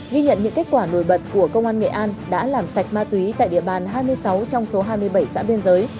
ghi nhận những kết quả nổi bật của công an nghệ an đã làm sạch ma túy tại địa bàn hai mươi sáu trong số hai mươi bảy xã biên giới